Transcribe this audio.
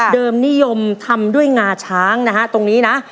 นิยมทำด้วยงาช้างนะฮะตรงนี้นะ